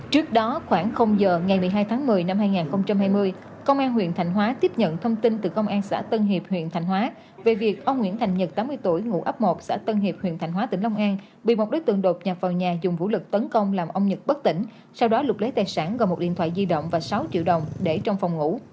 trước đó khoảng giờ ngày một mươi hai tháng một mươi năm hai nghìn hai mươi công an huyện thành hóa tiếp nhận thông tin từ công an xã tân hiệp huyện thành hóa về việc ông nguyễn thành nhật tám mươi tuổi ngụ ấp một xã tân hiệp huyện thành hóa tỉnh long an bị một đối tượng đột nhập vào nhà dùng vũ lực tấn công làm ông nhật bất tỉnh sau đó lục lấy tài sản gồm một điện thoại di động và sáu triệu đồng để trong phòng ngủ